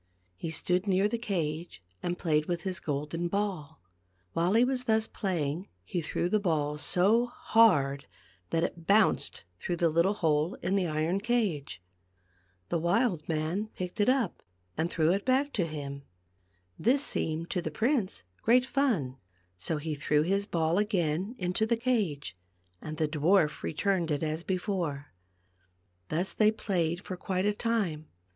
He stood near the cage and played with his golden ball. While he was thus playing he threw the ball so hard that it bounced through the little hole in the iron cage. The wild man picked it up and threw it back to him. This seemed to the prince great fun, so he threw his ball again into the cage, and the dwarf returned it as before. Thus they played for quite a time.